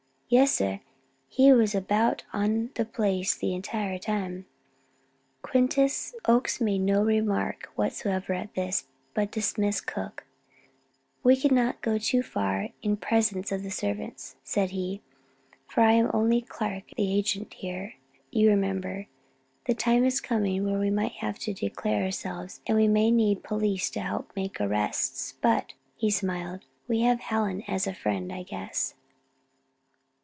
"Yes, sir, he was about on the place the entire time." Oakes made no remark whatever at this, but dismissed Cook. "We cannot go too far in presence of the servants," said he, "for I am only Clark the agent here, you remember. The time is coming when we may have to declare ourselves and we may need police help to make arrests, but," he smiled, "we have Hallen as a friend, I guess."